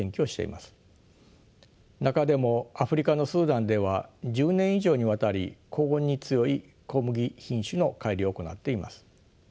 中でもアフリカのスーダンでは１０年以上にわたり高温に強い小麦品種の改良を行っています。